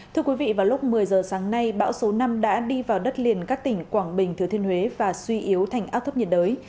thưa quý vị vào lúc một mươi giờ sáng nay bão số năm đã đi vào đất liền các tỉnh quảng bình thừa thiên huế và suy yếu thành áp thấp nhiệt đới